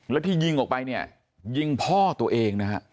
แล้วที่ยิงออกไปเนี่ยยิงพ่อตัวเองนะฮะ